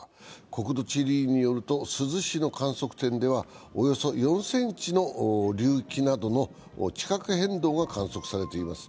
国土地理院によると珠洲市の観測点ではおよそ４ｃｍの隆起などの地殻変動が観測されています。